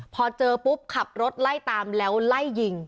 พอเจอปุ๊บขับรถไล่ตามแล้วไล่ยิง